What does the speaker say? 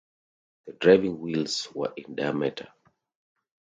The driving wheels were in diameter.